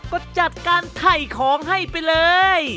ก็จัดการไถ่ของให้ไปเลย